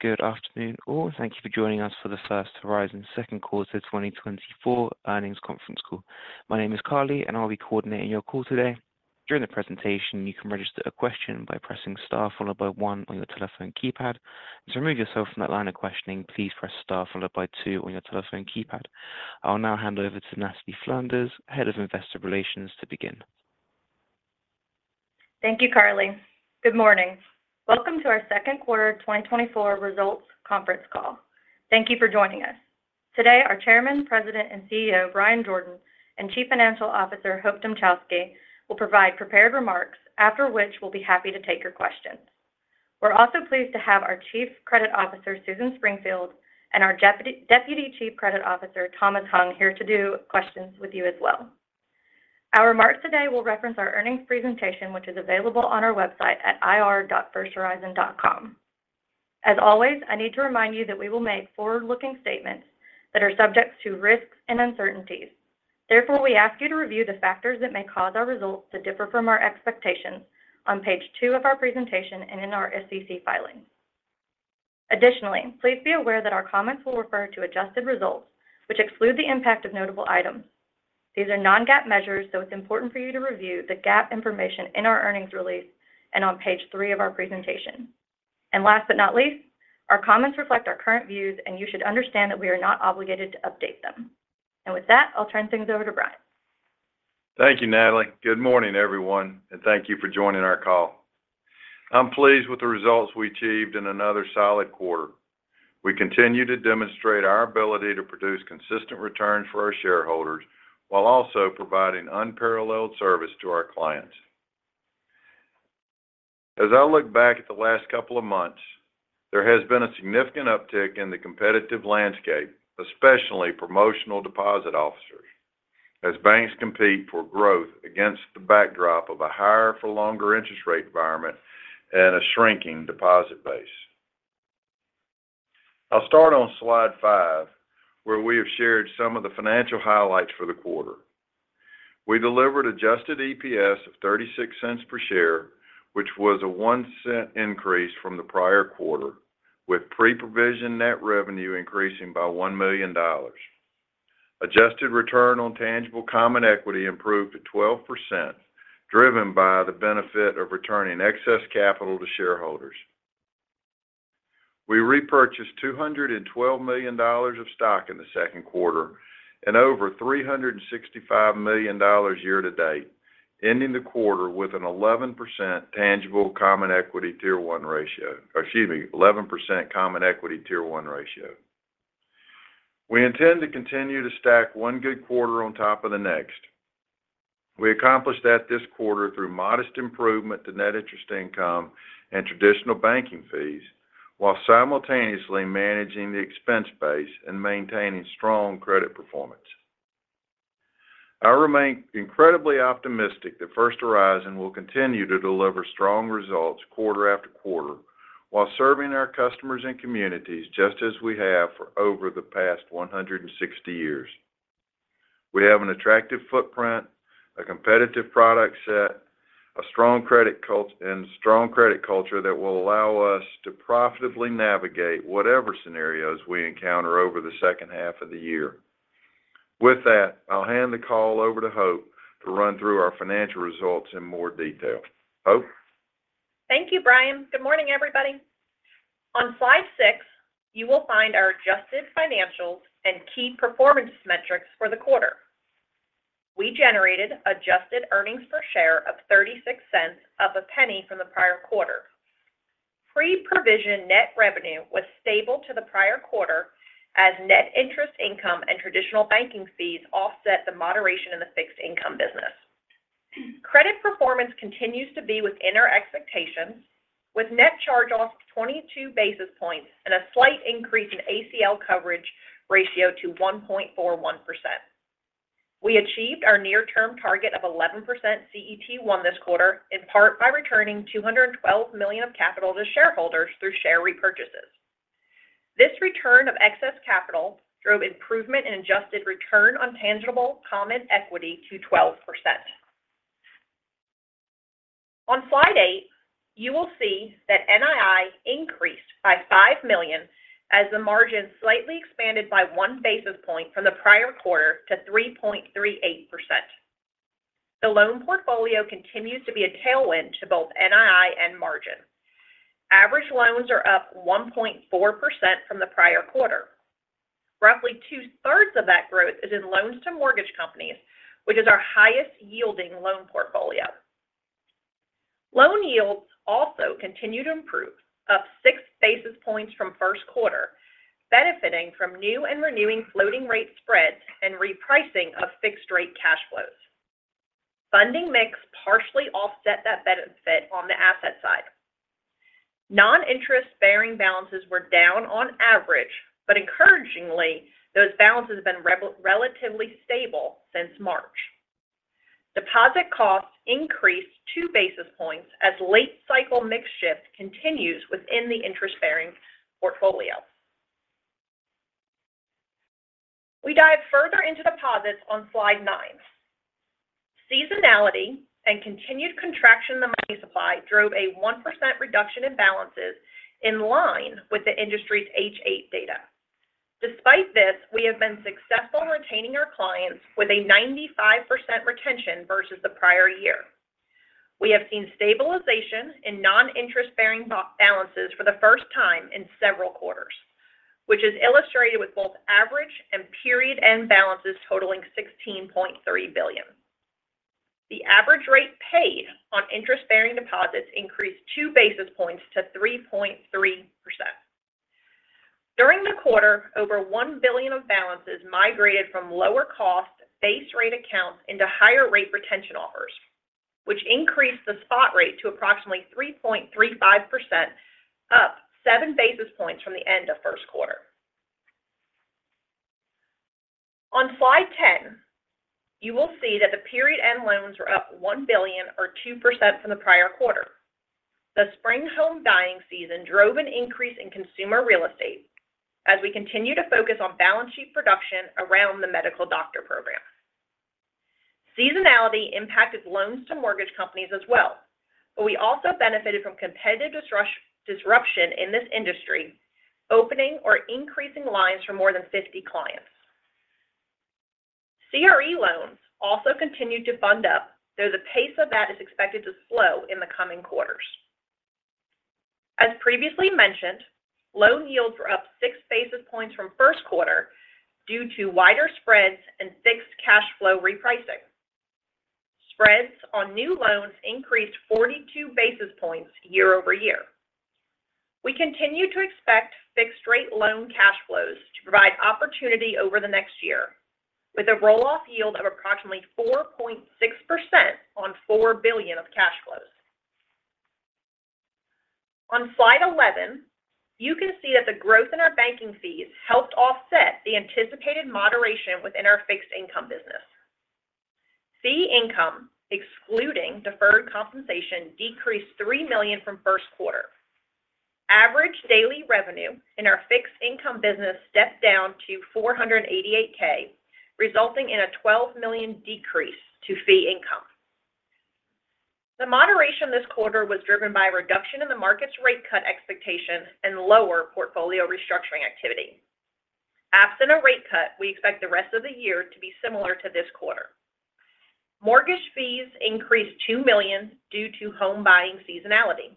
Good afternoon, all. Thank you for joining us for the First Horizon second quarter 2024 earnings conference call. My name is Carly, and I'll be coordinating your call today. During the presentation, you can register a question by pressing Star followed by one on your telephone keypad. To remove yourself from that line of questioning, please press Star followed by two on your telephone keypad. I'll now hand over to Natalie Flanders, Head of Investor Relations, to begin. Thank you, Carly. Good morning. Welcome to our second quarter 2024 results conference call. Thank you for joining us. Today, our Chairman, President, and CEO, Bryan Jordan, and Chief Financial Officer, Hope Dmuchowski, will provide prepared remarks, after which we'll be happy to take your questions. We're also pleased to have our Chief Credit Officer, Susan Springfield, and our Deputy Chief Credit Officer, Thomas Hung, here to do questions with you as well. Our remarks today will reference our earnings presentation, which is available on our website at ir.firsthorizon.com. As always, I need to remind you that we will make forward-looking statements that are subject to risks and uncertainties. Therefore, we ask you to review the factors that may cause our results to differ from our expectations on page 2 of our presentation and in our SEC filings. Additionally, please be aware that our comments will refer to adjusted results, which exclude the impact of notable items. These are non-GAAP measures, so it's important for you to review the GAAP information in our earnings release and on page three of our presentation. And last but not least, our comments reflect our current views, and you should understand that we are not obligated to update them. And with that, I'll turn things over to Bryan. Thank you, Natalie. Good morning, everyone, and thank you for joining our call. I'm pleased with the results we achieved in another solid quarter. We continue to demonstrate our ability to produce consistent returns for our shareholders, while also providing unparalleled service to our clients. As I look back at the last couple of months, there has been a significant uptick in the competitive landscape, especially promotional deposit officers, as banks compete for growth against the backdrop of a higher for longer interest rate environment and a shrinking deposit base. I'll start on slide five, where we have shared some of the financial highlights for the quarter. We delivered adjusted EPS of $0.36 per share, which was a $0.01 increase from the prior quarter, with pre-provision net revenue increasing by $1 million. Adjusted return on tangible common equity improved to 12%, driven by the benefit of returning excess capital to shareholders. We repurchased $212 million of stock in the second quarter and over $365 million year to date, ending the quarter with an 11% tangible common equity Tier 1 ratio, excuse me, 11% common equity Tier 1 ratio. We intend to continue to stack one good quarter on top of the next. We accomplished that this quarter through modest improvement to net interest income and traditional banking fees, while simultaneously managing the expense base and maintaining strong credit performance. I remain incredibly optimistic that First Horizon will continue to deliver strong results quarter after quarter while serving our customers and communities, just as we have for over the past 160 years. We have an attractive footprint, a competitive product set, a strong credit culture that will allow us to profitably navigate whatever scenarios we encounter over the second half of the year. With that, I'll hand the call over to Hope to run through our financial results in more detail. Hope? Thank you, Bryan. Good morning, everybody. On slide six, you will find our adjusted financials and key performance metrics for the quarter. We generated adjusted earnings per share of $0.36, up $0.01 from the prior quarter. Pre-provision net revenue was stable to the prior quarter as net interest income and traditional banking fees offset the moderation in the fixed income business. Credit performance continues to be within our expectations, with net charge-offs 22 basis points and a slight increase in ACL coverage ratio to 1.41%. We achieved our near term target of 11% CET1 this quarter, in part by returning $212 million of capital to shareholders through share repurchases. This return of excess capital drove improvement in adjusted return on tangible common equity to 12%. On slide eight, you will see that NII increased by $5 million as the margin slightly expanded by 1 basis point from the prior quarter to 3.38%. The loan portfolio continues to be a tailwind to both NII and margin. Average loans are up 1.4% from the prior quarter. Roughly two-thirds of that growth is in loans to mortgage companies, which is our highest-yielding loan portfolio. Loan yields also continue to improve, up 6 basis points from first quarter, benefiting from new and renewing floating rate spreads and repricing of fixed-rate cash flows. Funding mix partially offset that benefit on the asset side. Non-interest-bearing balances were down on average, but encouragingly, those balances have been relatively stable since March. Deposit costs increased 2 basis points as late cycle mix shift continues within the interest-bearing portfolio. Deposits on slide nine. Seasonality and continued contraction in the money supply drove a 1% reduction in balances in line with the industry's H.8 data. Despite this, we have been successful in retaining our clients with a 95% retention versus the prior year. We have seen stabilization in non-interest-bearing balances for the first time in several quarters, which is illustrated with both average and period-end balances totaling $16.3 billion. The average rate paid on interest-bearing deposits increased 2 basis points to 3.3%. During the quarter, over $1 billion of balances migrated from lower cost base rate accounts into higher rate retention offers, which increased the spot rate to approximately 3.35%, up 7 basis points from the end of first quarter. On slide 10, you will see that the period-end loans were up $1 billion or 2% from the prior quarter. The spring home buying season drove an increase in consumer real estate as we continue to focus on balance sheet production around the Medical Doctor Program. Seasonality impacted loans to mortgage companies as well, but we also benefited from competitive disruption in this industry, opening or increasing lines for more than 50 clients. CRE loans also continued to fund up, though the pace of that is expected to slow in the coming quarters. As previously mentioned, loan yields were up 6 basis points from first quarter due to wider spreads and fixed cash flow repricing. Spreads on new loans increased 42 basis points year-over-year. We continue to expect fixed rate loan cash flows to provide opportunity over the next year, with a roll-off yield of approximately 4.6% on $4 billion of cash flows. On slide 11, you can see that the growth in our banking fees helped offset the anticipated moderation within our fixed income business. Fee income, excluding deferred compensation, decreased $3 million from first quarter. Average daily revenue in our fixed income business stepped down to $488K, resulting in a $12 million decrease to fee income. The moderation this quarter was driven by a reduction in the market's rate cut expectations and lower portfolio restructuring activity. Absent a rate cut, we expect the rest of the year to be similar to this quarter. Mortgage fees increased $2 million due to home buying seasonality.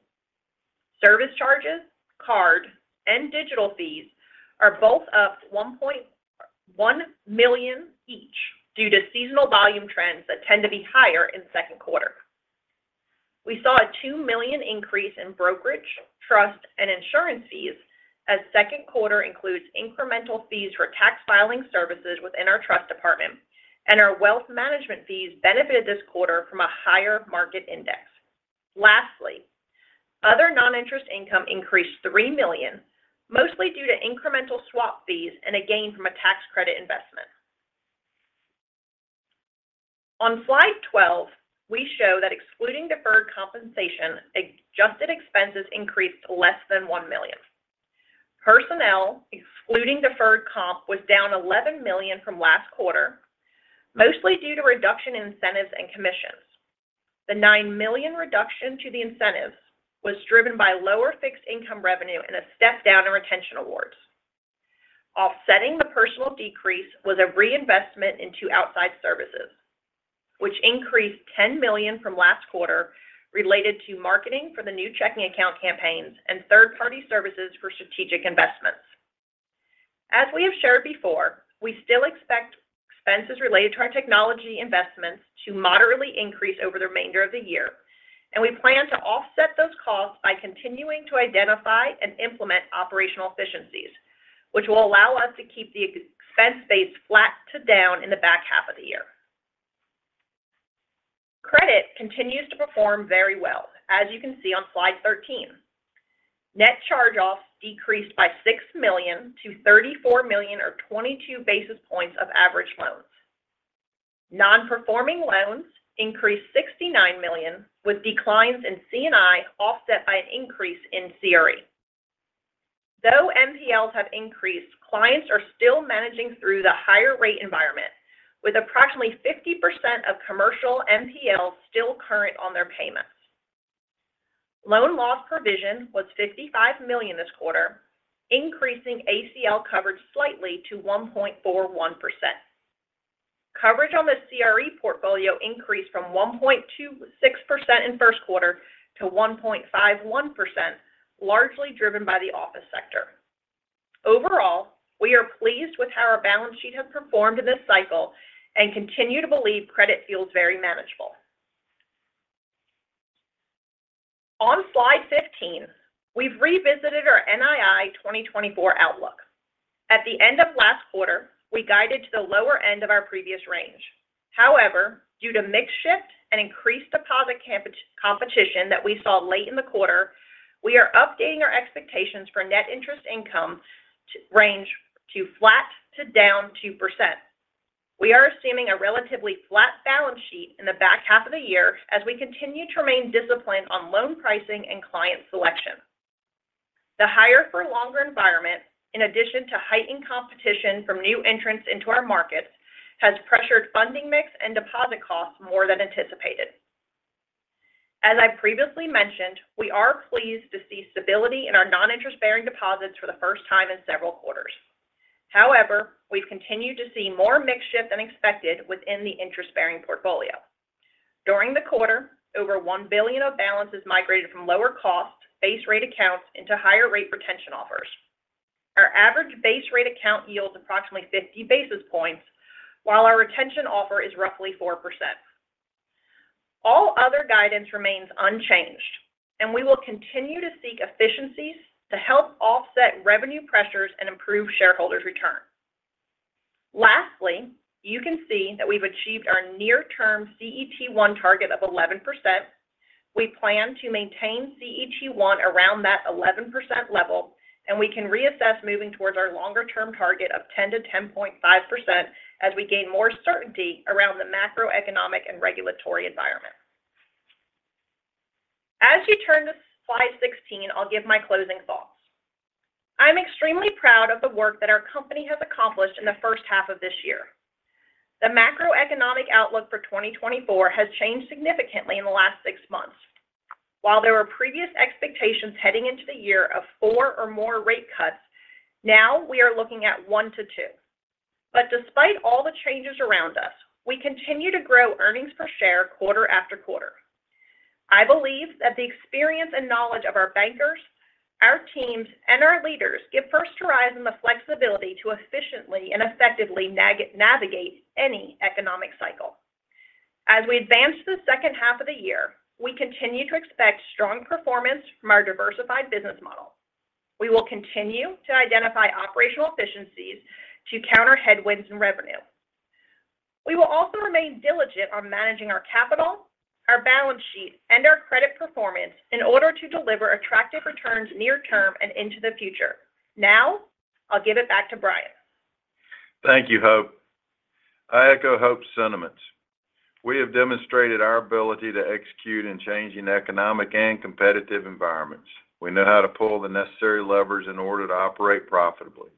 Service charges, card, and digital fees are both up $1.1 million each due to seasonal volume trends that tend to be higher in second quarter. We saw a $2 million increase in brokerage, trust, and insurance fees, as second quarter includes incremental fees for tax filing services within our trust department, and our wealth management fees benefited this quarter from a higher market index. Lastly, other non-interest income increased $3 million, mostly due to incremental swap fees and a gain from a tax credit investment. On slide 12, we show that excluding deferred compensation, adjusted expenses increased less than $1 million. Personnel, excluding deferred comp, was down $11 million from last quarter, mostly due to a reduction in incentives and commissions. The $9 million reduction to the incentives was driven by lower fixed income revenue and a step down in retention awards. Offsetting the personnel decrease was a reinvestment into outside services, which increased $10 million from last quarter, related to marketing for the new checking account campaigns and third-party services for strategic investments. As we have shared before, we still expect expenses related to our technology investments to moderately increase over the remainder of the year, and we plan to offset those costs by continuing to identify and implement operational efficiencies, which will allow us to keep the expense base flat to down in the back half of the year. Credit continues to perform very well, as you can see on slide 13. Net charge-offs decreased by $6 million-$34 million, or 22 basis points of average loans. Non-performing loans increased $69 million, with declines in C&I offset by an increase in CRE. Though NPLs have increased, clients are still managing through the higher rate environment, with approximately 50% of commercial NPLs still current on their payments. Loan loss provision was $55 million this quarter, increasing ACL coverage slightly to 1.41%. Coverage on the CRE portfolio increased from 1.26% in first quarter to 1.51%, largely driven by the office sector. Overall, we are pleased with how our balance sheet has performed in this cycle and continue to believe credit feels very manageable. On slide 15, we've revisited our NII 2024 outlook. At the end of last quarter, we guided to the lower end of our previous range. However, due to mix shift and increased deposit competition that we saw late in the quarter, we are updating our expectations for net interest income to range to flat to down 2%. We are assuming a relatively flat balance sheet in the back half of the year as we continue to remain disciplined on loan pricing and client selection. The higher for longer environment, in addition to heightened competition from new entrants into our market, has pressured funding mix and deposit costs more than anticipated. As I previously mentioned, we are pleased to see stability in our non-interest-bearing deposits for the first time in several quarters. However, we've continued to see more mix shift than expected within the interest-bearing portfolio. During the quarter, over $1 billion of balances migrated from lower cost base rate accounts into higher rate retention offers. Our average base rate account yields approximately 50 basis points, while our retention offer is roughly 4%. All other guidance remains unchanged, and we will continue to seek efficiencies to help offset revenue pressures and improve shareholders' return. Lastly, you can see that we've achieved our near-term CET1 target of 11%. We plan to maintain CET1 around that 11% level, and we can reassess moving towards our longer-term target of 10%-10.5% as we gain more certainty around the macroeconomic and regulatory environment. As you turn to slide 16, I'll give my closing thoughts. I'm extremely proud of the work that our company has accomplished in the first half of this year. The macroeconomic outlook for 2024 has changed significantly in the last 6 months. While there were previous expectations heading into the year of four or more rate cuts, now we are looking at 1-2. But despite all the changes around us, we continue to grow earnings per share quarter after quarter. I believe that the experience and knowledge of our bankers, our teams, and our leaders give First Horizon the flexibility to efficiently and effectively navigate any economic cycle. As we advance the second half of the year, we continue to expect strong performance from our diversified business model. We will continue to identify operational efficiencies to counter headwinds and revenue. We will also remain diligent on managing our capital, our balance sheet, and our credit performance in order to deliver attractive returns near term and into the future. Now, I'll give it back to Bryan. Thank you, Hope. I echo Hope's sentiments. We have demonstrated our ability to execute in changing economic and competitive environments. We know how to pull the necessary levers in order to operate profitably.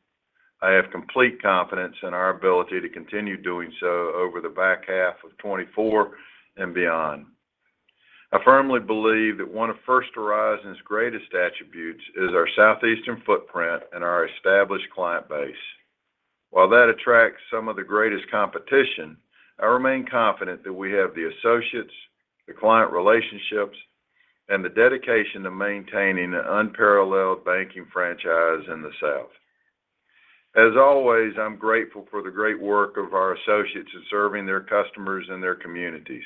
I have complete confidence in our ability to continue doing so over the back half of 2024 and beyond. I firmly believe that one of First Horizon's greatest attributes is our Southeastern footprint and our established client base. While that attracts some of the greatest competition, I remain confident that we have the associates, the client relationships, and the dedication to maintaining an unparalleled banking franchise in the South. As always, I'm grateful for the great work of our associates in serving their customers and their communities.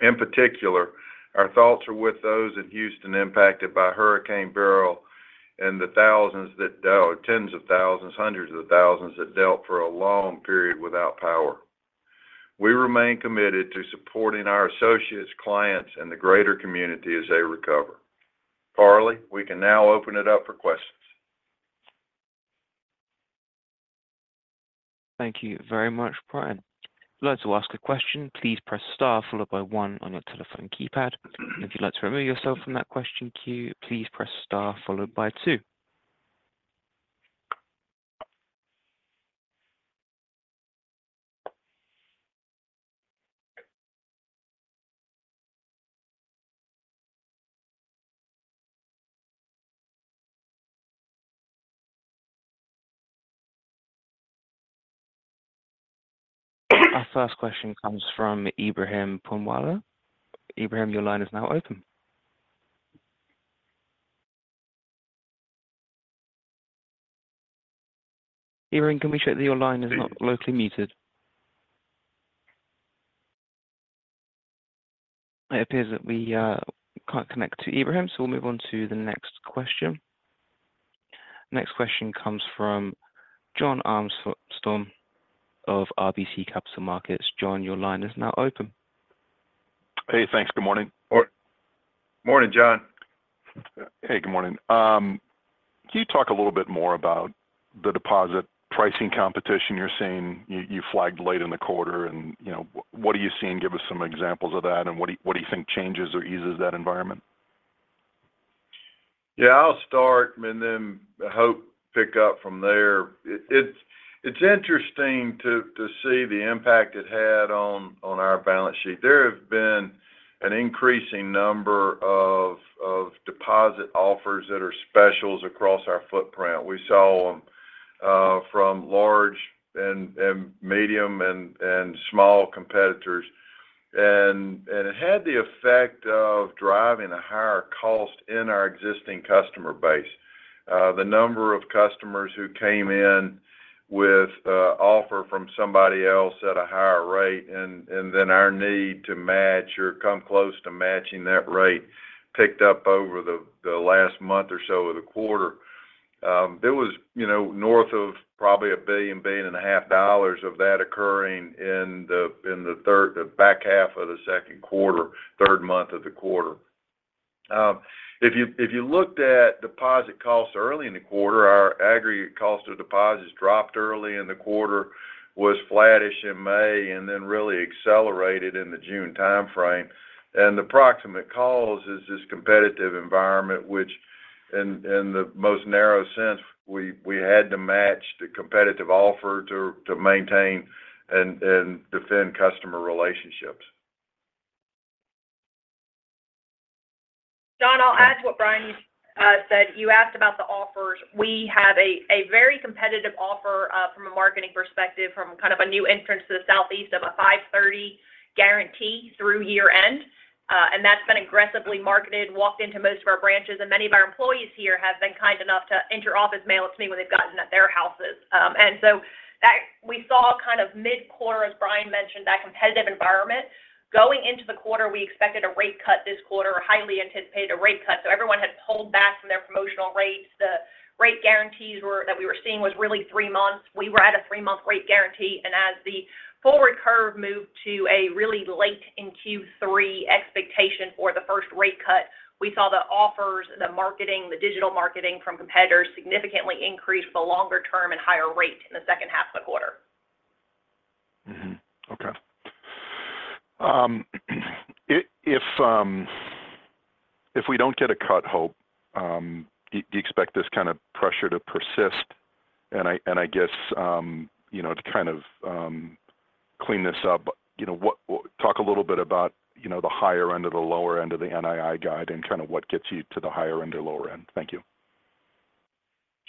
In particular, our thoughts are with those in Houston impacted by Hurricane Beryl and the thousands that, tens of thousands, hundreds of thousands that dealt for a long period without power. We remain committed to supporting our associates, clients, and the greater community as they recover. Carly, we can now open it up for questions. Thank you very much, Bryan. If you'd like to ask a question, please press Star followed by one on your telephone keypad. If you'd like to remove yourself from that question queue, please press Star followed by two. Our first question comes from Ebrahim Poonawala. Ebrahim, your line is now open. Ebrahim, can we check that your line is not locally muted? It appears that we can't connect to Ebrahim, so we'll move on to the next question. Next question comes from Jon Arfstrom of RBC Capital Markets. Jon, your line is now open. Hey, thanks. Good morning, or- Morning, Jon. Hey, good morning. Can you talk a little bit more about the deposit pricing competition you're seeing? You, you flagged late in the quarter and, you know, what are you seeing? Give us some examples of that, and what do you, what do you think changes or eases that environment? Yeah, I'll start and then Hope pick up from there. It's interesting to see the impact it had on our balance sheet. There have been an increasing number of deposit offers that are specials across our footprint. We saw them from large and medium and small competitors, and it had the effect of driving a higher cost in our existing customer base. The number of customers who came in with an offer from somebody else at a higher rate, and then our need to match or come close to matching that rate picked up over the last month or so of the quarter. You know, there was north of probably $1.5 billion of that occurring in the back half of the second quarter, third month of the quarter. If you, if you looked at deposit costs early in the quarter, our aggregate cost of deposits dropped early in the quarter, was flattish in May, and then really accelerated in the June timeframe. And the proximate cause is this competitive environment, which in the most narrow sense, we had to match the competitive offer to maintain and defend customer relationships. Jon, I'll add to what Bryan said. You asked about the offers. We have a very competitive offer, from a marketing perspective, from kind of a new entrant to the Southeast, of a 5.30% guarantee through year-end. And that's been aggressively marketed, walked into most of our branches, and many of our employees here have been kind enough to forward the office mail to me when they've gotten it at their houses. And so that we saw kind of mid-quarter, as Bryan mentioned, that competitive environment. Going into the quarter, we expected a rate cut this quarter, or highly anticipated a rate cut, so everyone had pulled back from their promotional rates. The rate guarantees were that we were seeing was really three months. We were at a three-month rate guarantee, and as the forward curve moved to a really late in Q3 expectation for the first rate cut, we saw the offers, the marketing, the digital marketing from competitors significantly increase the longer term and higher rate in the second half of the quarter. Mm-hmm. Okay. If we don't get a cut, Hope, do you expect this kind of pressure to persist? And I guess, you know, to kind of clean this up, you know, talk a little bit about, you know, the higher end or the lower end of the NII guide and kind of what gets you to the higher end or lower end. Thank you.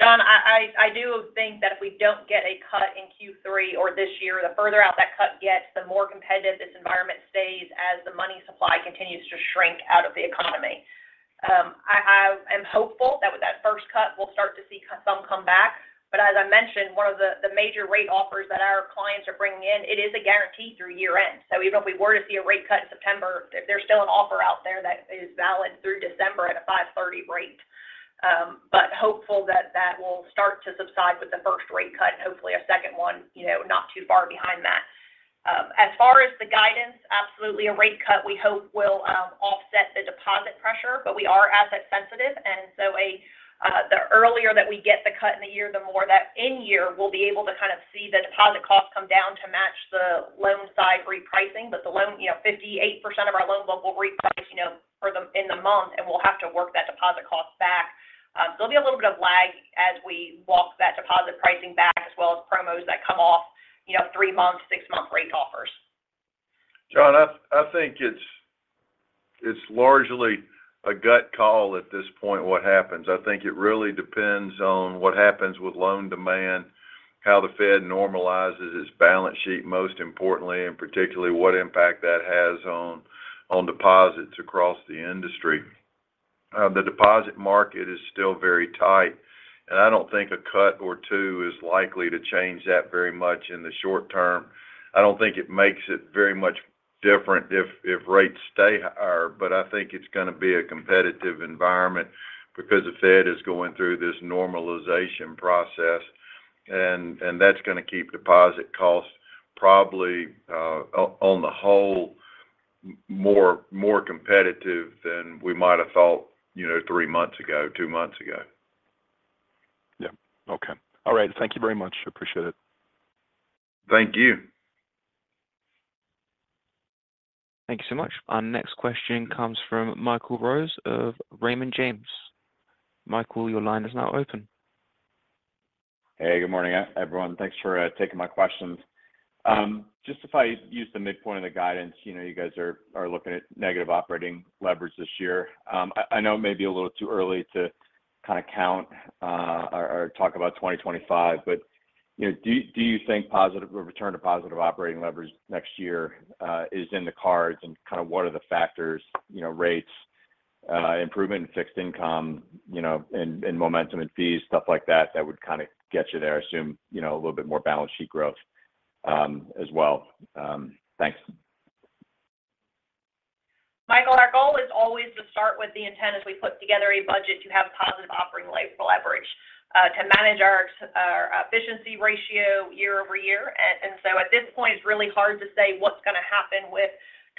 John, I do think that if we don't get a cut in Q3 or this year, the further out that cut gets, the more competitive this environment stays as the money supply continues to shrink out of the economy. I am hopeful that with that first cut, we'll start to see some come back. But as I mentioned, one of the major rate offers that our clients are bringing in, it is a guarantee through year-end. So even if we were to see a rate cut in September, there's still an offer out there that is valid through December at a 5.30% rate. But hopeful that that will start to subside with the first rate cut, and hopefully a second one, you know, not too far behind that. As far as the guidance, absolutely, a rate cut, we hope, will offset the deposit pressure, but we are asset sensitive, and so the earlier that we get the cut in the year, the more that in-year we'll be able to kind of see the deposit costs come down to match the loan side repricing. But the loan, you know, 58% of our loan book will reprice, you know, in the month, and we'll have to work that deposit cost back. There'll be a little bit of lag as we walk that deposit pricing back, as well as promos that come off, you know, three-month, six-month rate offers. Jon, I think it's largely a gut call at this point, what happens. I think it really depends on what happens with loan demand, how the Fed normalizes its balance sheet, most importantly, and particularly, what impact that has on deposits across the industry. The deposit market is still very tight, and I don't think a cut or two is likely to change that very much in the short term. I don't think it makes it very much different if rates stay higher, but I think it's gonna be a competitive environment because the Fed is going through this normalization process, and that's gonna keep deposit costs probably, on the whole, more competitive than we might have thought, you know, three months ago, two months ago. Yeah. Okay. All right. Thank you very much. Appreciate it. Thank you. Thank you so much. Our next question comes from Michael Rose of Raymond James. Michael, your line is now open. Hey, good morning, everyone. Thanks for taking my questions. Just if I use the midpoint of the guidance, you know, you guys are looking at negative operating leverage this year. I know it may be a little too early to kind of count or talk about 2025, but, you know, do you think a return to positive operating leverage next year is in the cards? And kind of what are the factors, you know, rates, improvement in fixed income, you know, and momentum in fees, stuff like that, that would kind of get you there? I assume, you know, a little bit more balance sheet growth as well. Thanks. Michael, our goal is always to start with the intent, as we put together a budget, to have positive operating leverage, to manage our efficiency ratio year over year. And so at this point, it's really hard to say what's gonna happen with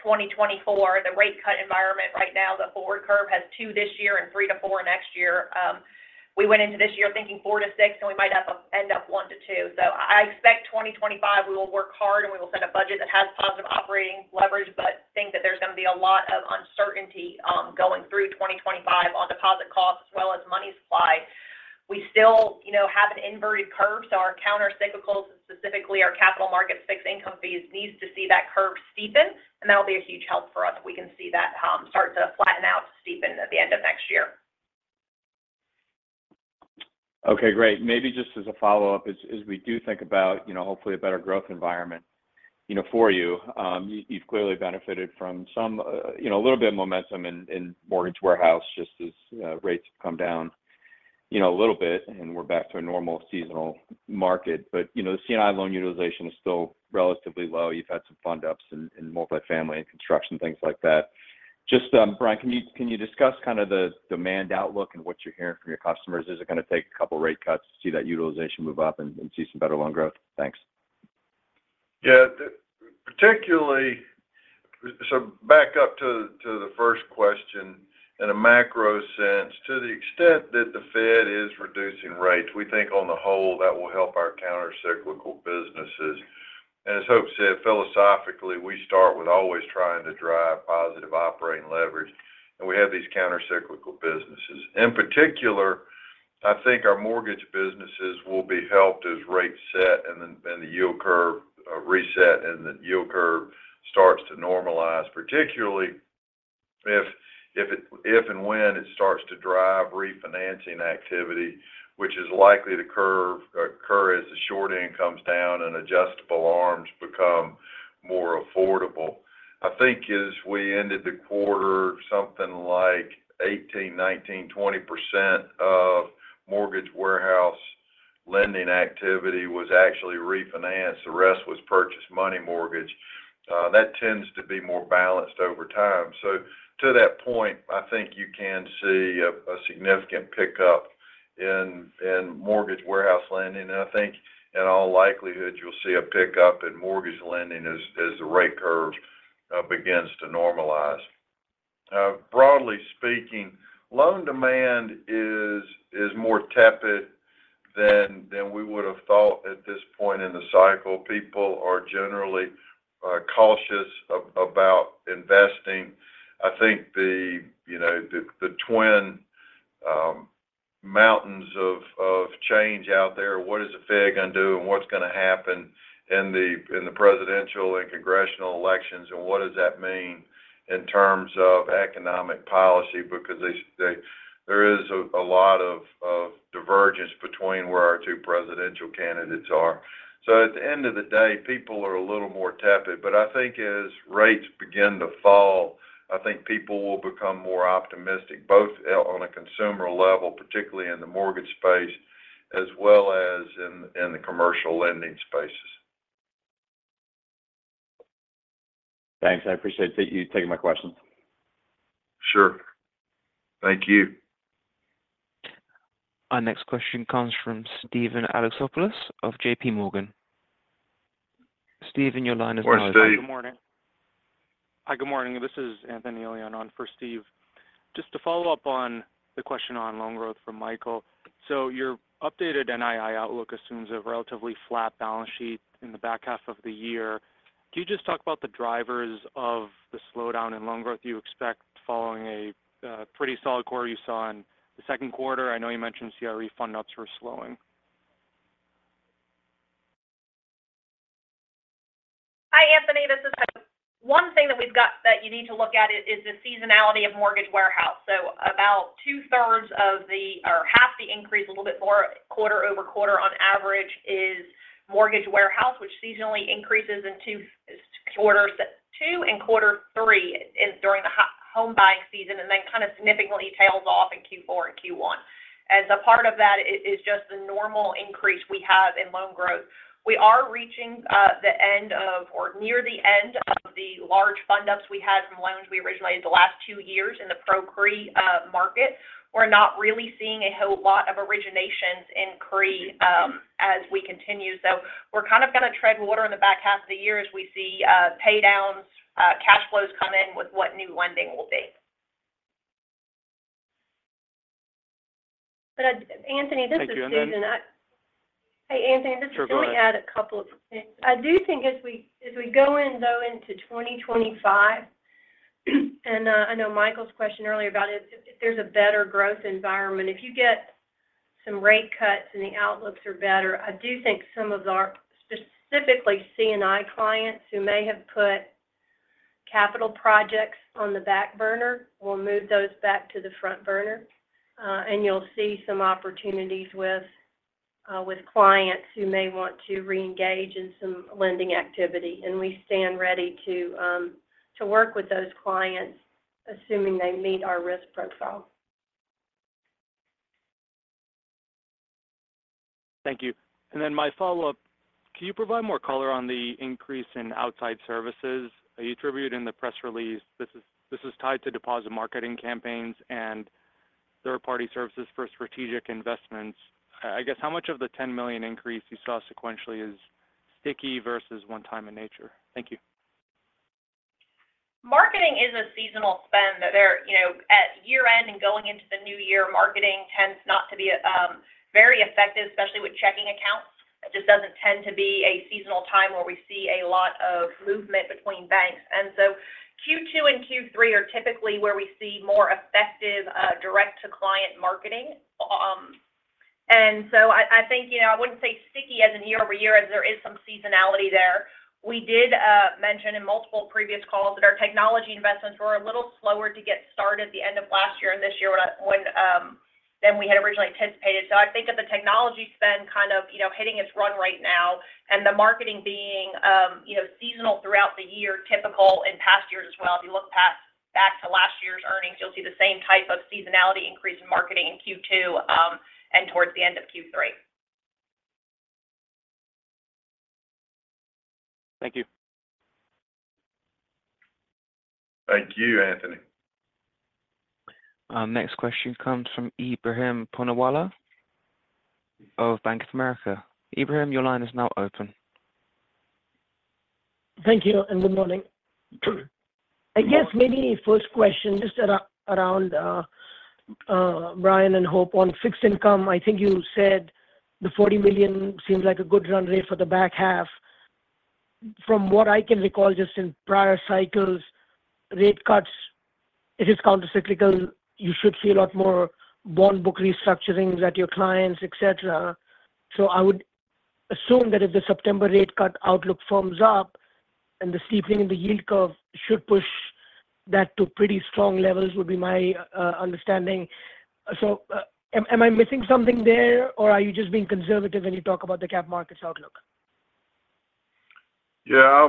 2024. The rate cut environment right now, the forward curve, has 2 this year and 3-4 next year. We went into this year thinking 4-6, and we might end up 1-2. So I expect 2025, we will work hard, and we will set a budget that has positive operating leverage, but think that there's gonna be a lot of uncertainty, going through 2025 on deposit costs as well as money supply. We still, you know, have an inverted curve, so our countercyclicals, and specifically our capital market fixed income fees, needs to see that curve steepen, and that'll be a huge help for us if we can see that start to flatten out to steepen at the end of next year. Okay, great. Maybe just as a follow-up, as we do think about, you know, hopefully a better growth environment, you know, for you. You've clearly benefited from some, you know, a little bit of momentum in mortgage warehouse, just as rates have come down, you know, a little bit, and we're back to a normal seasonal market. But, you know, the C&I loan utilization is still relatively low. You've had some fund ups in multifamily and construction, things like that. Just, Bryan, can you discuss kind of the demand outlook and what you're hearing from your customers? Is it gonna take a couple rate cuts to see that utilization move up and see some better loan growth? Thanks. Yeah. Particularly, so back up to the first question, in a macro sense, to the extent that the Fed is reducing rates, we think on the whole that will help our countercyclical businesses... and as Hope said, philosophically, we start with always trying to drive positive operating leverage, and we have these countercyclical businesses. In particular, I think our mortgage businesses will be helped as rates set and then the yield curve reset, and the yield curve starts to normalize, particularly if and when it starts to drive refinancing activity, which is likely to occur as the short end comes down and adjustable arms become more affordable. I think as we ended the quarter, something like 18%, 19%, 20% of mortgage warehouse lending activity was actually refinanced. The rest was purchase money mortgage. That tends to be more balanced over time. So to that point, I think you can see a significant pickup in Mortgage Warehouse lending, and I think in all likelihood, you'll see a pickup in mortgage lending as the rate curve begins to normalize. Broadly speaking, loan demand is more tepid than we would have thought at this point in the cycle. People are generally cautious about investing. I think you know the twin mountains of change out there, what is the Fed going to do? And what's going to happen in the presidential and congressional elections, and what does that mean in terms of economic policy? Because there is a lot of divergence between where our two presidential candidates are. So at the end of the day, people are a little more tepid. But I think as rates begin to fall, I think people will become more optimistic, both on a consumer level, particularly in the mortgage space, as well as in, in the commercial lending spaces. Thanks. I appreciate you taking my questions. Sure. Thank you. Our next question comes from Steven Alexopoulos of J.P. Morgan. Steven, your line is now open. Hi, Steve. Good morning. Hi, good morning. This is Anthony Elian on for Steve. Just to follow up on the question on loan growth from Michael. So your updated NII outlook assumes a relatively flat balance sheet in the back half of the year. Can you just talk about the drivers of the slowdown in loan growth you expect following a pretty solid quarter you saw in the second quarter? I know you mentioned CRE fund notes were slowing. Hi, Anthony, this is Hope. One thing that we've got that you need to look at is the seasonality of mortgage warehouse. So about two-thirds or half the increase, a little bit more quarter-over-quarter on average is mortgage warehouse, which seasonally increases in two quarters, two and quarter three, during the hot home buying season, and then kind of significantly tails off in Q4 and Q1. As a part of that is just the normal increase we have in loan growth. We are reaching the end of or near the end of the large fund ups we had from loans we originated the last two years in the Pro CRE market. We're not really seeing a whole lot of originations in CRE as we continue. So we're kind of going to tread water in the back half of the year as we see, pay downs, cash flows come in with what new lending will be. But Anthony, this is Susan. Thank you. Hey, Anthony- Sure, go ahead. Let me add a couple of things. I do think as we go in, though, into 2025, and I know Michael's question earlier about if there's a better growth environment. If you get some rate cuts and the outlooks are better, I do think some of our, specifically C&I clients who may have put capital projects on the back burner, will move those back to the front burner, and you'll see some opportunities with clients who may want to reengage in some lending activity, and we stand ready to work with those clients, assuming they meet our risk profile. Thank you. And then my follow-up: Can you provide more color on the increase in outside services you attributed in the press release? This is, this is tied to deposit marketing campaigns and third-party services for strategic investments. I, I guess how much of the $10 million increase you saw sequentially is sticky versus one time in nature? Thank you. Marketing is a seasonal spend. There, you know, at year-end and going into the new year, marketing tends not to be very effective, especially with checking accounts. It just doesn't tend to be a seasonal time where we see a lot of movement between banks. And so Q2 and Q3 are typically where we see more effective direct-to-client marketing. And so I think, you know, I wouldn't say sticky as in year over year, as there is some seasonality there. We did mention in multiple previous calls that our technology investments were a little slower to get started at the end of last year and this year when than we had originally anticipated. So I think that the technology spend kind of, you know, hitting its run right now and the marketing being, you know, seasonal throughout the year, typical in past years as well. If you look back to last year's earnings, you'll see the same type of seasonality increase in marketing in Q2, and towards the end of Q3. Thank you. Thank you, Anthony. Our next question comes from Ebrahim Poonawala of Bank of America. Ebrahim, your line is now open. Thank you, and good morning. I guess maybe first question, just around, Bryan and Hope, on fixed income. I think you said the $40 million seems like a good run rate for the back half. From what I can recall, just in prior cycles, rate cuts, it is countercyclical. You should see a lot more bond book restructurings at your clients, et cetera. So I would assume that if the September rate cut outlook firms up, and the steepening in the yield curve should push that to pretty strong levels, would be my understanding. So, am I missing something there, or are you just being conservative when you talk about the capital markets outlook? Yeah.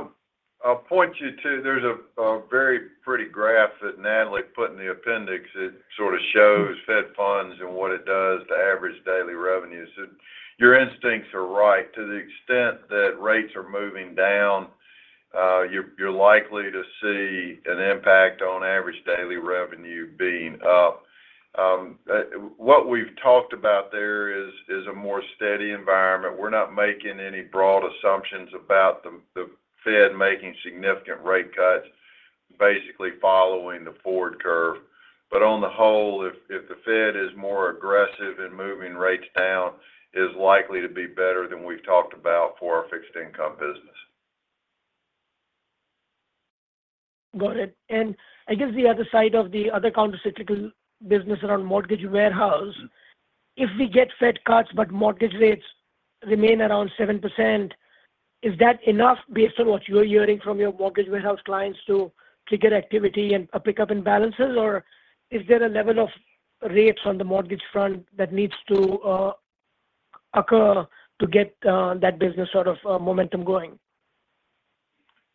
I'll point you to... There's a very pretty graph that Natalie put in the appendix that sort of shows Fed funds and what it does to average daily revenues. So your instincts are right. To the extent that rates are moving down, you're likely to see an impact on average daily revenue being up. What we've talked about there is a more steady environment. We're not making any broad assumptions about the Fed making significant rate cuts, basically following the forward curve. But on the whole, if the Fed is more aggressive in moving rates down, it is likely to be better than we've talked about for our fixed income business. Got it. And I guess the other side of the other countercyclical business around mortgage warehouse, if we get Fed cuts, but mortgage rates remain around 7%, is that enough based on what you're hearing from your mortgage warehouse clients to trigger activity and a pickup in balances? Or is there a level of rates on the mortgage front that needs to occur to get that business sort of momentum going?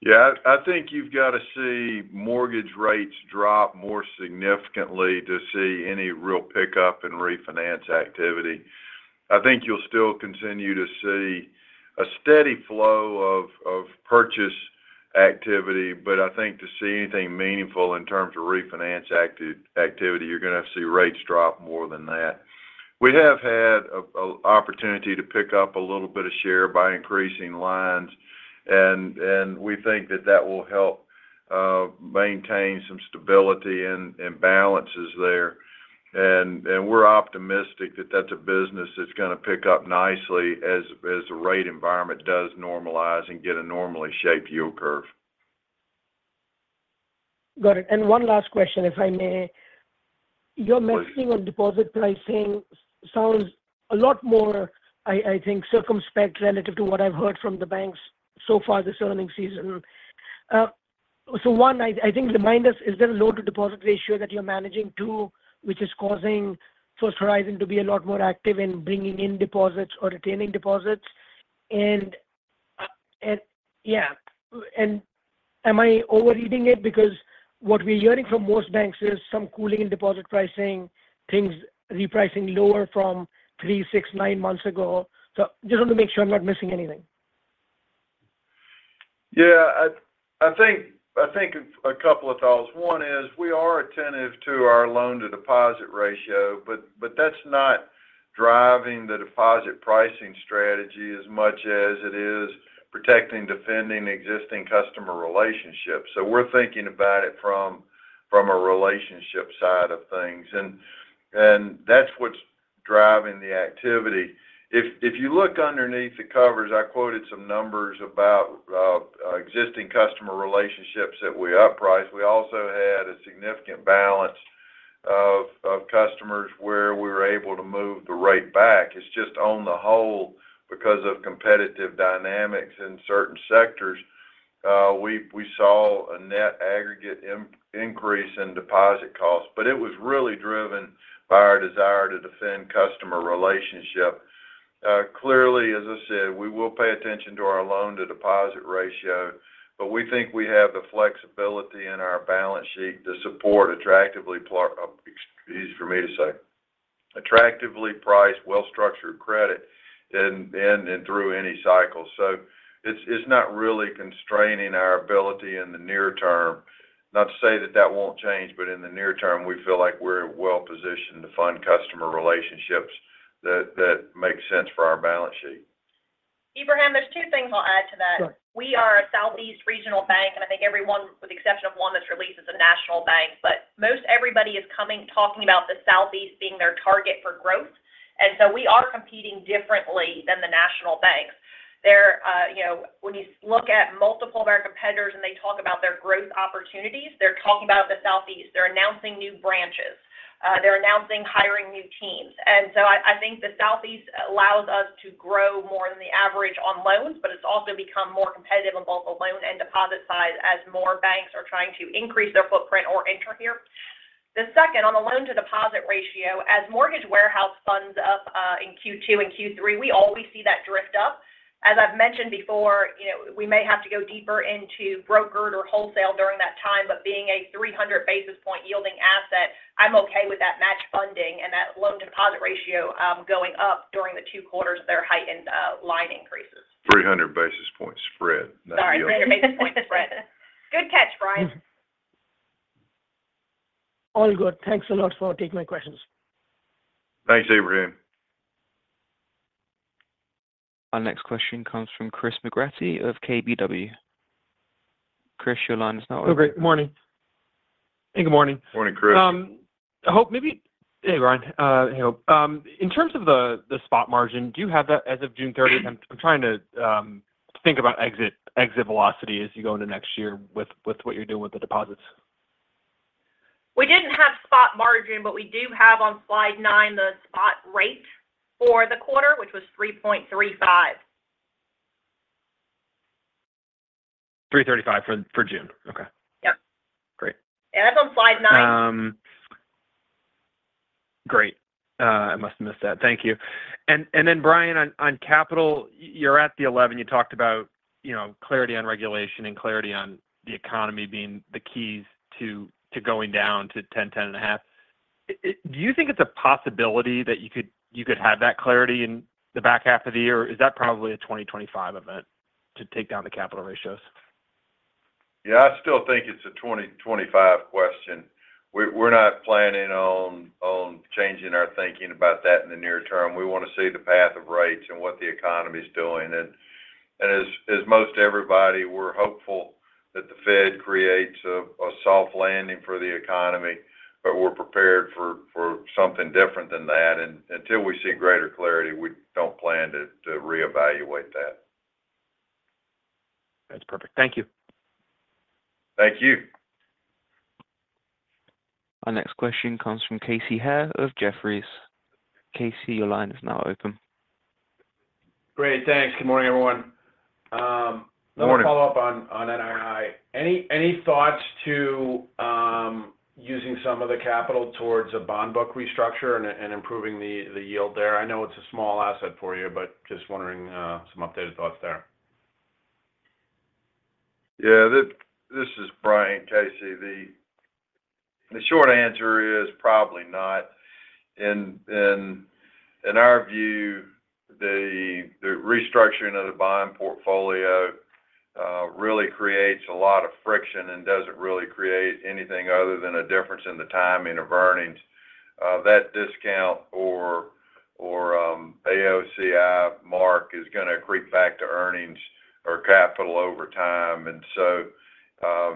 Yeah. I think you've got to see mortgage rates drop more significantly to see any real pickup in refinance activity. I think you'll still continue to see a steady flow of purchase activity, but I think to see anything meaningful in terms of refinance activity, you're going to have to see rates drop more than that. We have had an opportunity to pick up a little bit of share by increasing lines, and we think that will help maintain some stability and balances there. And we're optimistic that that's a business that's going to pick up nicely as the rate environment does normalize and get a normally shaped yield curve. Got it. And one last question, if I may. Please. Your mixing on deposit pricing sounds a lot more, I think, circumspect relative to what I've heard from the banks so far this earnings season. So, I think, remind us, is there a loan to deposit ratio that you're managing, too, which is causing First Horizon to be a lot more active in bringing in deposits or retaining deposits? And, yeah, am I overreading it? Because what we're hearing from most banks is some cooling in deposit pricing, things repricing lower from three, six, nine months ago. So just want to make sure I'm not missing anything. Yeah. I think a couple of thoughts. One is we are attentive to our loan-to-deposit ratio, but that's not driving the deposit pricing strategy as much as it is protecting, defending existing customer relationships. So we're thinking about it from a relationship side of things, and that's what's driving the activity. If you look underneath the covers, I quoted some numbers about existing customer relationships that we uppriced. We also had a significant balance of customers where we were able to move the rate back. It's just on the whole, because of competitive dynamics in certain sectors, we saw a net aggregate increase in deposit costs, but it was really driven by our desire to defend customer relationship. Clearly, as I said, we will pay attention to our loan-to-deposit ratio, but we think we have the flexibility in our balance sheet to support attractively—easy for me to say—attractively priced, well-structured credit in and through any cycle. So it's not really constraining our ability in the near term. Not to say that that won't change, but in the near term, we feel like we're well positioned to fund customer relationships that make sense for our balance sheet. Ebrahim, there's two things I'll add to that. Sure. We are a Southeast regional bank, and I think everyone, with the exception of one that's released, is a national bank, but most everybody is coming, talking about the Southeast being their target for growth, and so we are competing differently than the national banks. There, you know, when you look at multiple of our competitors, and they talk about their growth opportunities, they're talking about the Southeast. They're announcing new branches. They're announcing hiring new teams. And so I, I think the Southeast allows us to grow more than the average on loans, but it's also become more competitive on both the loan and deposit side as more banks are trying to increase their footprint or enter here. The second, on the loan-to-deposit ratio, as Mortgage Warehouse funds up, in Q2 and Q3, we always see that drift up. As I've mentioned before, you know, we may have to go deeper into brokered or wholesale during that time, but being a 300 basis point yielding asset, I'm okay with that match funding and that loan-to-deposit ratio, going up during the two quarters that are heightened line increases. 300 basis point spread, not yielding. Sorry, 300 basis point spread. Good catch, Bryan. All good. Thanks a lot for taking my questions. Thanks, Ebrahim. Our next question comes from Chris McGratty of KBW. Chris, your line is now open. Oh, great. Morning. Hey, good morning. Morning, Chris. Hey, Bryan. Hey, Hope. In terms of the spot margin, do you have that as of June thirtieth? I'm trying to think about exit velocity as you go into next year with what you're doing with the deposits. We didn't have spot margin, but we do have on slide 9, the spot rate for the quarter, which was 3.35. 3:35 for June. Okay. Yep. Great. Yeah, that's on slide nine. Great. I must have missed that. Thank you. And, and then, Bryan, on, on capital, you're at 11. You talked about, you know, clarity on regulation and clarity on the economy being the keys to, to going down to 10%, 10.5%. Do you think it's a possibility that you could, you could have that clarity in the back half of the year? Or is that probably a 2025 event to take down the capital ratios? Yeah, I still think it's a 2025 question. We're not planning on changing our thinking about that in the near term. We want to see the path of rates and what the economy's doing. And as most everybody, we're hopeful that the Fed creates a soft landing for the economy, but we're prepared for something different than that. And until we see greater clarity, we don't plan to reevaluate that. That's perfect. Thank you. Thank you. Our next question comes from Casey Haire of Jefferies. Casey, your line is now open. Great. Thanks. Good morning, everyone. Good morning. Let me follow up on NII. Any thoughts to using some of the capital towards a bond book restructure and improving the yield there? I know it's a small asset for you, but just wondering some updated thoughts there. Yeah, this is Bryan, Casey. The short answer is probably not. In our view, the restructuring of the bond portfolio really creates a lot of friction and doesn't really create anything other than a difference in the timing of earnings. That discount or AOCI mark is going to creep back to earnings or capital over time. And so,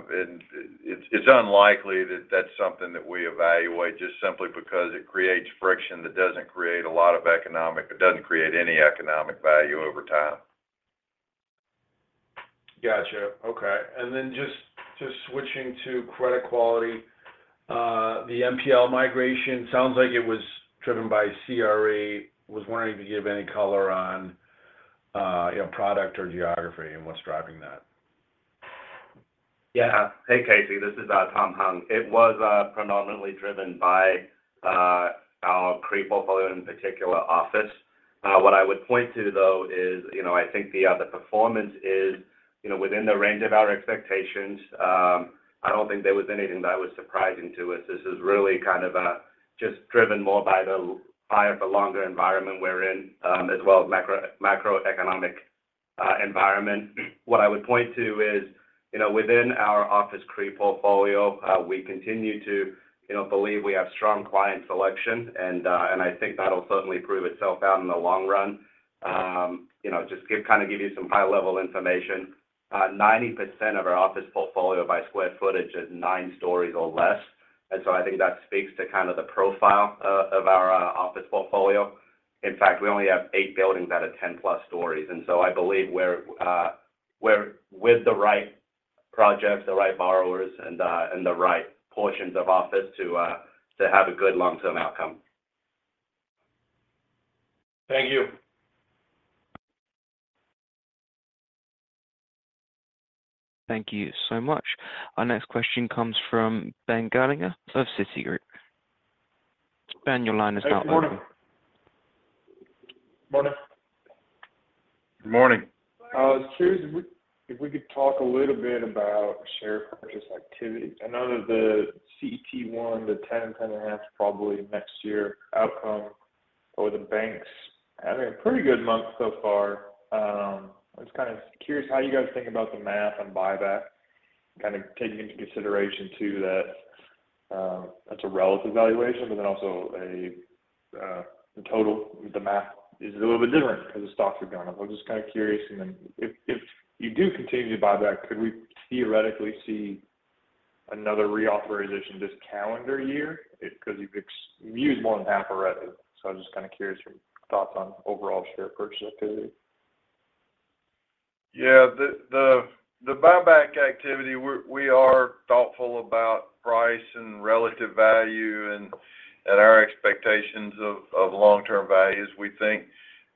it's unlikely that that's something that we evaluate just simply because it creates friction that doesn't create any economic value over time. Gotcha. Okay. And then just, just switching to credit quality, the NPL migration sounds like it was driven by CRE. Was wondering if you give any color on, you know, product or geography and what's driving that? Yeah. Hey, Casey, this is Tom Hung. It was predominantly driven by our CRE portfolio, in particular office. What I would point to, though, is, you know, I think the performance is, you know, within the range of our expectations. I don't think there was anything that was surprising to us. This is really kind of just driven more by the higher for longer environment we're in, as well as macroeconomic environment. What I would point to is, you know, within our office CRE portfolio, we continue to, you know, believe we have strong client selection, and I think that'll certainly prove itself out in the long run. You know, just kind of give you some high-level information. 90% of our office portfolio by square footage is nine stories or less, and so I think that speaks to kind of the profile of our office portfolio. In fact, we only have eight buildings that are 10 plus stories, and so I believe we're with the right projects, the right borrowers, and the right portions of office to have a good long-term outcome. Thank you. Thank you so much. Our next question comes from Ben Gerlinger of Citigroup. Ben, your line is now open. Hey, good morning. Morning. Good morning. I was curious if we could talk a little bit about share purchase activity. I know that the CET1, the 10, 10.5, probably next year outcome for the banks, having a pretty good month so far. I was kind of curious how you guys think about the math and buyback, kind of taking into consideration, too, that that's a relative valuation, but then also a the total—the math is a little bit different because the stocks are going up. I'm just kind of curious, and then if you do continue to buy back, could we theoretically see another reauthorization this calendar year? Because you've used more than half already. So I'm just kind of curious your thoughts on overall share purchase activity. Yeah, the buyback activity, we are thoughtful about price and relative value and our expectations of long-term values. We think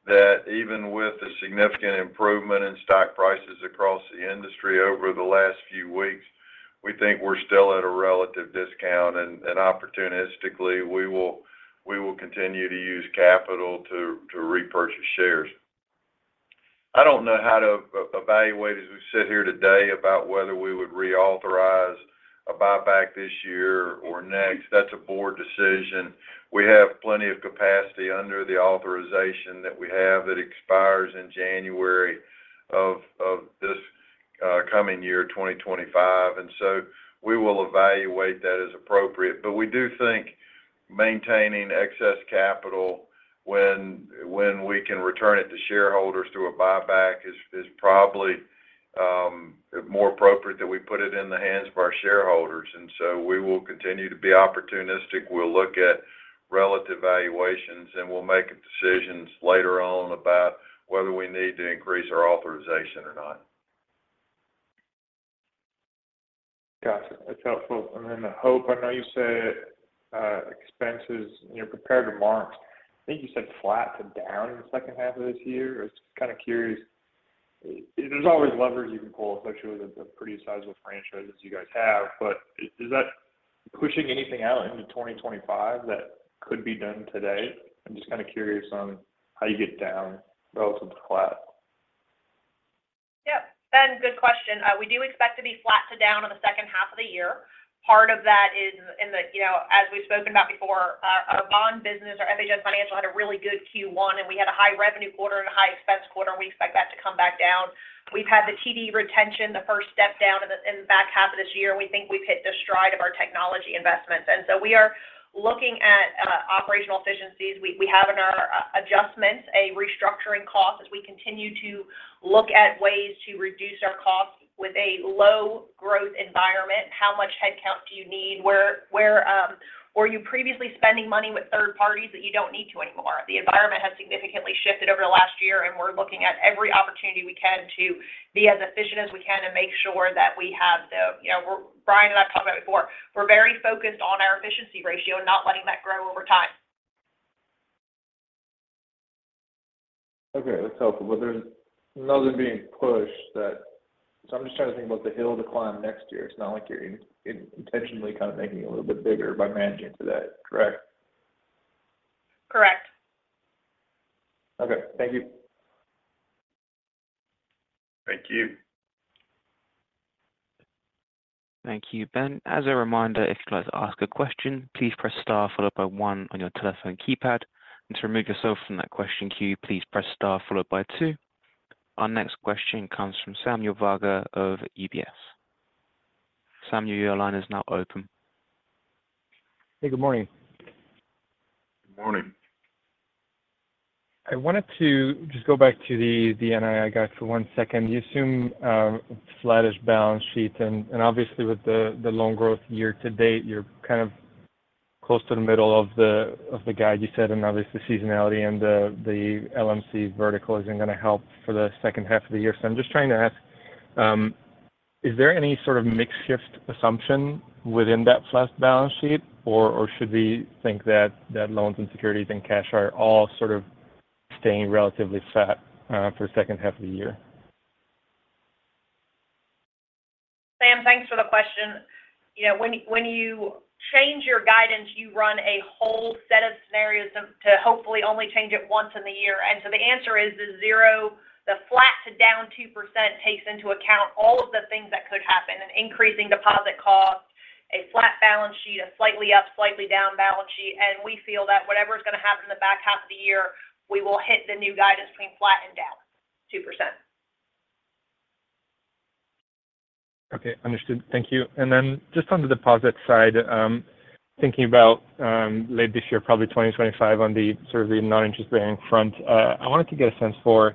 that even with the significant improvement in stock prices across the industry over the last few weeks, we think we're still at a relative discount, and opportunistically, we will continue to use capital to repurchase shares. I don't know how to evaluate, as we sit here today, about whether we would reauthorize a buyback this year or next. That's a board decision. We have plenty of capacity under the authorization that we have. It expires in January of our coming year, 2025, and so we will evaluate that as appropriate. But we do think maintaining excess capital when we can return it to shareholders through a buyback is probably more appropriate that we put it in the hands of our shareholders. And so we will continue to be opportunistic. We'll look at relative valuations, and we'll make decisions later on about whether we need to increase our authorization or not. Got it. That's helpful. And then, Hope, I know you said, expenses, you know, compared to marks, I think you said flat to down in the second half of this year. I was kind of curious. There's always levers you can pull, especially with a pretty sizable franchise as you guys have, but is that pushing anything out into 2025 that could be done today? I'm just kind of curious on how you get down relative to flat. Yep, Ben, good question. We do expect to be flat to down in the second half of the year. Part of that is in the, you know, as we've spoken about before, our, our bond business, our FHN Financial, had a really good Q1, and we had a high revenue quarter and a high expense quarter, and we expect that to come back down. We've had the TD retention, the first step down in the, in the back half of this year, and we think we've hit the stride of our technology investments. And so we are looking at operational efficiencies. We, we have in our adjustments, a restructuring cost as we continue to look at ways to reduce our costs with a low growth environment. How much headcount do you need? Where were you previously spending money with third parties that you don't need to anymore? The environment has significantly shifted over the last year, and we're looking at every opportunity we can to be as efficient as we can and make sure that we have the. You know, we're. Bryan and I've talked about it before, we're very focused on our efficiency ratio and not letting that grow over time. Okay, that's helpful. But there's nothing being pushed that... So I'm just trying to think about the hill to climb next year. It's not like you're intentionally kind of making it a little bit bigger by managing to that, correct? Correct. Okay, thank you. Thank you. Thank you, Ben. As a reminder, if you'd like to ask a question, please press Star followed by one on your telephone keypad, and to remove yourself from that question queue, please press Star followed by two. Our next question comes from Samuel Verga of UBS. Samuel, your line is now open. Hey, good morning. Good morning. I wanted to just go back to the, the NII guide for one second. You assume flattish balance sheet, and, and obviously with the, the loan growth year to date, you're kind of close to the middle of the, of the guide you set, and obviously, seasonality and the, the LMC vertical isn't going to help for the second half of the year. So I'm just trying to ask, is there any sort of mix shift assumption within that flat balance sheet, or, or should we think that that loans and securities and cash are all sort of staying relatively flat for the second half of the year? Sam, thanks for the question. You know, when you change your guidance, you run a whole set of scenarios to hopefully only change it once in the year. And so the answer is the 0, the flat to down 2% takes into account all of the things that could happen, an increasing deposit cost, a flat balance sheet, a slightly up, slightly down balance sheet. And we feel that whatever is going to happen in the back half of the year, we will hit the new guidance between flat and down 2%. Okay, understood. Thank you. And then just on the deposit side, thinking about late this year, probably 2025, on the sort of the non-interest bearing front, I wanted to get a sense for,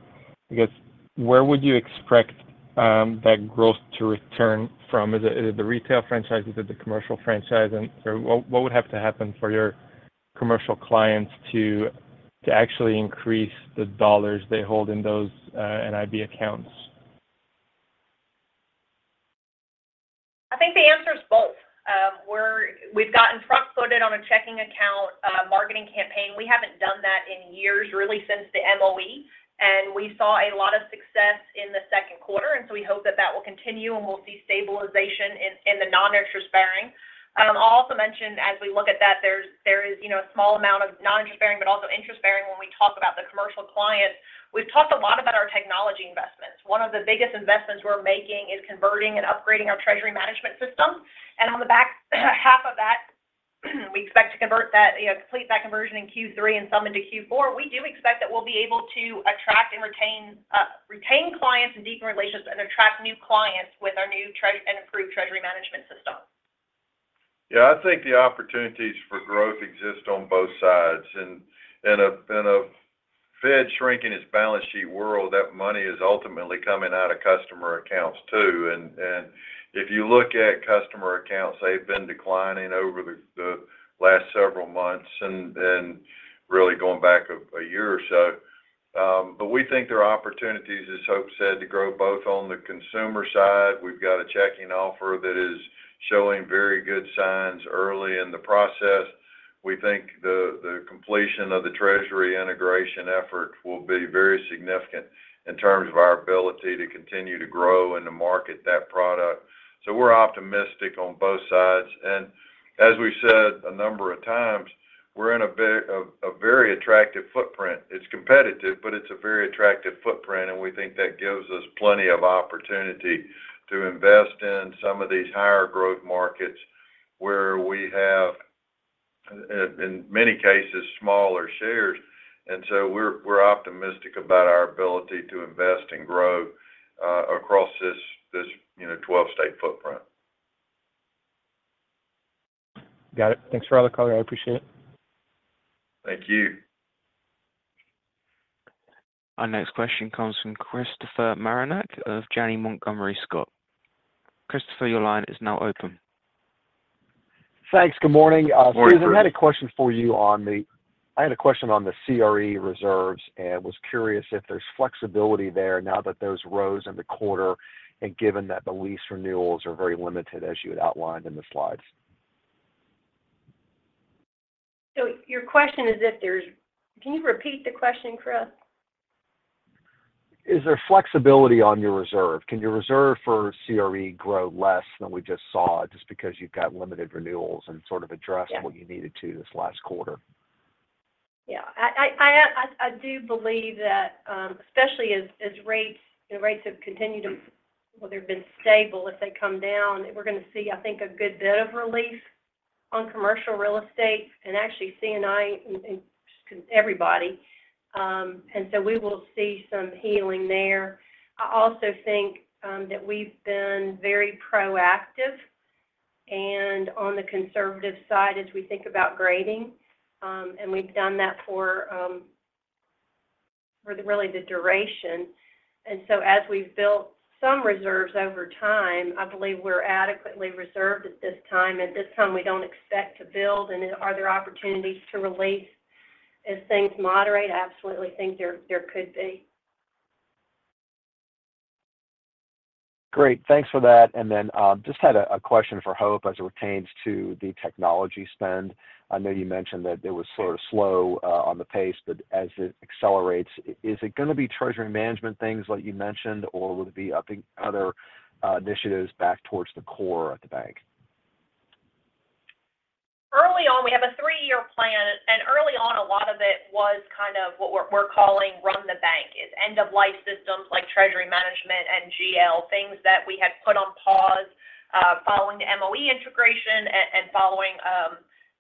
I guess, where would you expect that growth to return from? Is it the retail franchise? Is it the commercial franchise? And so what would have to happen for your commercial clients to actually increase the dollars they hold in those NIB accounts? I think the answer is both. We've gotten cross-coded on a checking account marketing campaign. We haven't done that in years, really since the MOE, and we saw a lot of success in the second quarter, and so we hope that that will continue, and we'll see stabilization in the non-interest bearing. I'll also mention, as we look at that, there is, you know, a small amount of non-interest bearing, but also interest bearing when we talk about the commercial clients. We've talked a lot about our technology investments. One of the biggest investments we're making is converting and upgrading our treasury management system. On the back half of that, we expect to convert that, you know, complete that conversion in Q3 and some into Q4. We do expect that we'll be able to attract and retain clients and deepen relationships and attract new clients with our new and improved treasury management system. Yeah, I think the opportunities for growth exist on both sides. And in a Fed shrinking its balance sheet world, that money is ultimately coming out of customer accounts, too. And if you look at customer accounts, they've been declining over the last several months and really going back a year or so. But we think there are opportunities, as Hope said, to grow both on the consumer side. We've got a checking offer that is showing very good signs early in the process. We think the completion of the treasury integration effort will be very significant in terms of our ability to continue to grow and to market that product. So we're optimistic on both sides, and as we've said a number of times, we're in a very, very attractive footprint. It's competitive, but it's a very attractive footprint, and we think that gives us plenty of opportunity to invest in some of these higher growth markets where we have in many cases smaller shares. And so we're optimistic about our ability to invest and grow across this you know 12-state footprint. Got it. Thanks for all the color. I appreciate it. Thank you. Our next question comes from Christopher Marinac of Janney Montgomery Scott. Christopher, your line is now open. Thanks. Good morning. Morning, Chris. Susan, I had a question on the CRE reserves, and was curious if there's flexibility there now that there's roll-offs in the quarter, and given that the lease renewals are very limited, as you had outlined in the slides. So your question is if there's. Can you repeat the question, Chris? Is there flexibility on your reserve? Can your reserve for CRE grow less than we just saw, just because you've got limited renewals and sort of addressed- Yeah. What you needed to this last quarter? Yeah. I do believe that, especially as rates, the rates have continued to, well, they've been stable. If they come down, we're gonna see, I think, a good bit of relief on commercial real estate and actually C&I and just everybody. And so we will see some healing there. I also think that we've been very proactive, and on the conservative side, as we think about grading, and we've done that for the really the duration. And so as we've built some reserves over time, I believe we're adequately reserved at this time. At this time, we don't expect to build. And are there opportunities to release as things moderate? I absolutely think there could be. Great. Thanks for that. And then, just had a question for Hope as it pertains to the technology spend. I know you mentioned that it was sort of slow on the pace, but as it accelerates, is it gonna be treasury management things like you mentioned, or will it be other initiatives back towards the core of the bank? Early on, we have a 3-year plan, and early on, a lot of it was kind of what we're calling Run the Bank, is end-of-life systems like treasury management and GL, things that we had put on pause following the MOE integration and following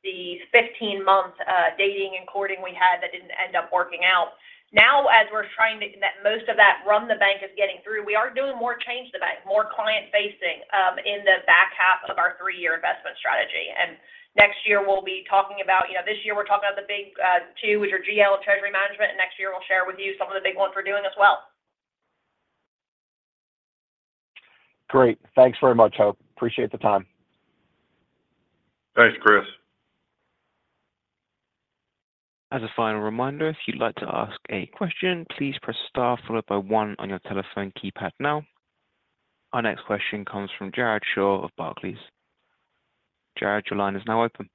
the 15-month dating and courting we had that didn't end up working out. Now, as we're trying to, most of that Run the Bank is getting through, we are doing more Change the Bank, more client-facing in the back half of our 3-year investment strategy. And next year, we'll be talking about, you know, this year, we're talking about the big two, which are GL and treasury management, and next year, we'll share with you some of the big ones we're doing as well. Great. Thanks very much, Hope. Appreciate the time. Thanks, Chris. As a final reminder, if you'd like to ask a question, please press Star followed by one on your telephone keypad now. Our next question comes from Jared Shaw of Barclays. Jared, your line is now open.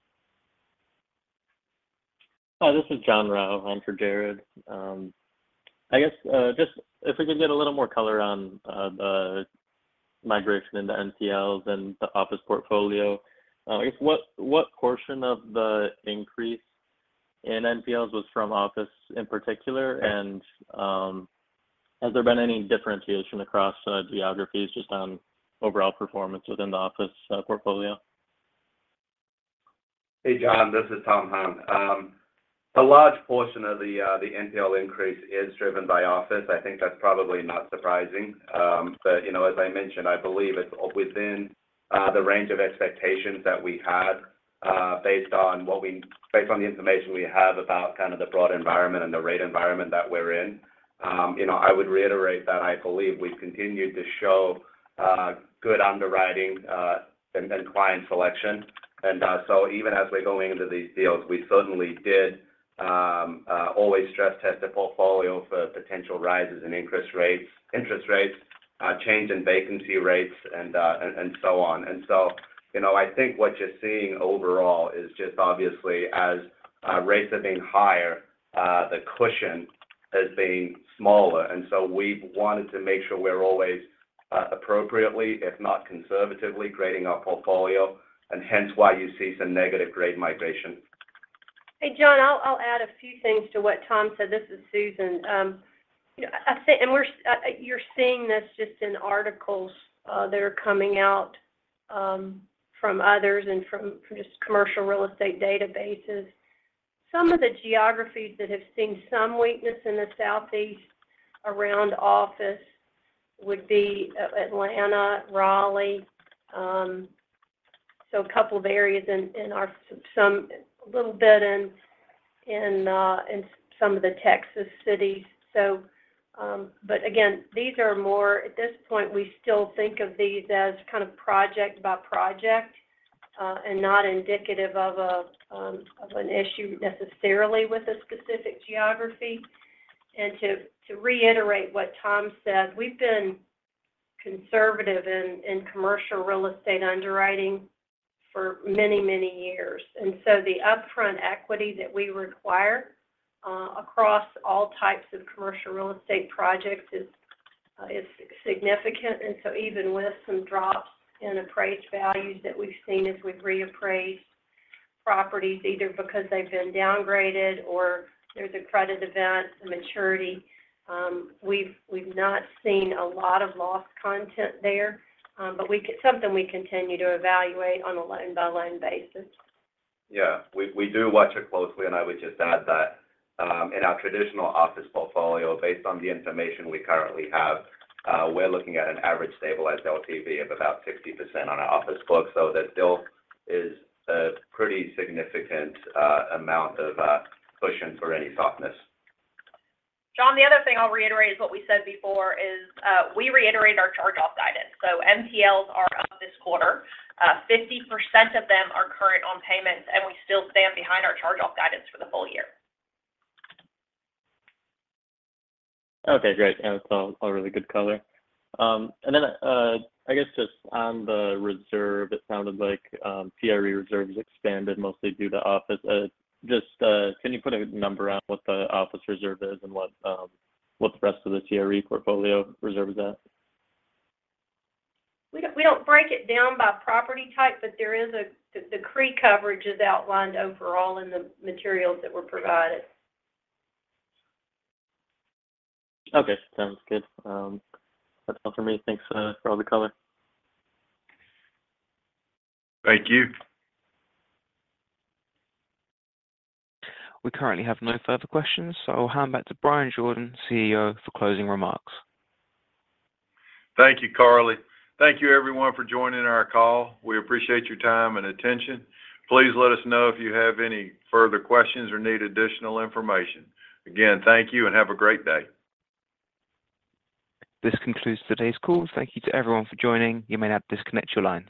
Hi, this is John Rao in for Jared. I guess just if we could get a little more color on the migration into NPLs and the office portfolio. I guess, what portion of the increase in NPLs was from office in particular? And, has there been any differentiation across geographies just on overall performance within the office portfolio? Hey, John, this is Tom Hung. A large portion of the NPL increase is driven by office. I think that's probably not surprising. But, you know, as I mentioned, I believe it's within the range of expectations that we had, based on the information we have about kind of the broad environment and the rate environment that we're in. You know, I would reiterate that I believe we've continued to show good underwriting and client selection. And, so even as we're going into these deals, we certainly did always stress test the portfolio for potential rises in interest rates, change in vacancy rates, and so on. And so, you know, I think what you're seeing overall is just obviously as rates are being higher, the cushion is being smaller, and so we've wanted to make sure we're always appropriately, if not conservatively, grading our portfolio, and hence why you see some negative grade migration. Hey, John, I'll, I'll add a few things to what Tom said. This is Susan. You know, I'd say, and we're, you're seeing this just in articles that are coming out from others and from just commercial real estate databases. Some of the geographies that have seen some weakness in the Southeast around office would be Atlanta, Raleigh, so a couple of areas in, in our, some a little bit in, in, in some of the Texas cities. So, but again, these are more, at this point, we still think of these as kind of project by project, and not indicative of, of an issue necessarily with a specific geography. And to, to reiterate what Tom said, we've been conservative in, in commercial real estate underwriting for many, many years. And so the upfront equity that we require across all types of commercial real estate projects is significant. And so even with some drops in appraised values that we've seen as we've reappraised properties, either because they've been downgraded or there's a credit event, a maturity, we've not seen a lot of loss content there. But something we continue to evaluate on a loan-by-loan basis. Yeah, we do watch it closely, and I would just add that in our traditional office portfolio, based on the information we currently have, we're looking at an average stabilized LTV of about 60% on our office book, so that still is a pretty significant amount of cushion for any softness. John, the other thing I'll reiterate is what we said before is, we reiterate our charge-off guidance, so NPLs are up this quarter. 50% of them are current on payments, and we still stand behind our charge-off guidance for the full year. Okay, great. That's all, all really good color. And then, I guess just on the reserve, it sounded like CRE reserves expanded mostly due to office. Just, can you put a number on what the office reserve is and what, what the rest of the CRE portfolio reserve is at? We don't break it down by property type, but there is the CRE coverage is outlined overall in the materials that were provided. Okay. Sounds good. That's all for me. Thanks, for all the color. Thank you. We currently have no further questions, so I'll hand back to Bryan Jordan, CEO, for closing remarks. Thank you, Carly. Thank you, everyone, for joining our call. We appreciate your time and attention. Please let us know if you have any further questions or need additional information. Again, thank you and have a great day. This concludes today's call. Thank you to everyone for joining. You may now disconnect your lines.